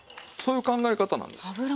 そういう考え方なんですよ。